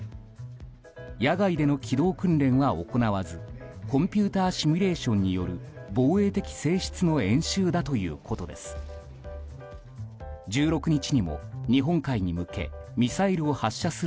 野外での機動訓練は行わずコンピューターシミュレーションによる防衛的性質の演習だということです。